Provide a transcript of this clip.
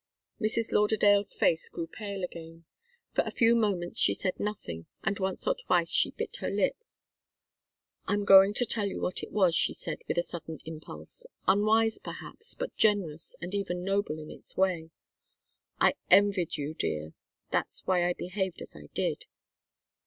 Mrs. Lauderdale's face grew pale again. For a few moments she said nothing, and once or twice she bit her lip. "I'm going to tell you what it was," she said, with a sudden impulse unwise, perhaps, but generous and even noble in its way. "I envied you, dear. That's why I behaved as I did."